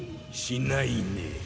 しないね。